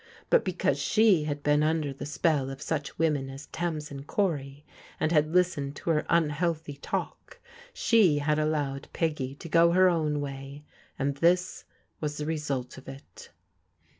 But because she had been under the spell of such women as Tamsin Cory, and had listened to her unhealthy talk, she had allowed Peggy to go her own way, and this was the result of it.